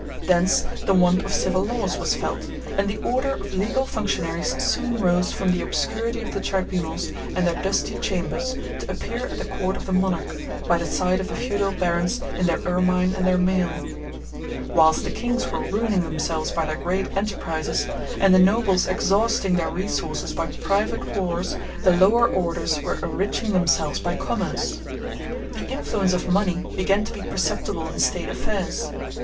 Thence the want of civil laws was felt; and the order of legal functionaries soon rose from the obscurity of the tribunals and their dusty chambers, to appear at the court of the monarch, by the side of the feudal barons in their ermine and their mail. Whilst the kings were ruining themselves by their great enterprises, and the nobles exhausting their resources by private wars, the lower orders were enriching themselves by commerce. The influence of money began to be perceptible in State affairs.